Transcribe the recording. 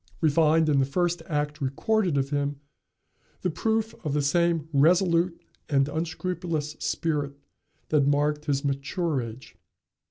We find, in the first act recorded of him, the proof of the same resolute and unscrupulous spirit that marked his mature age.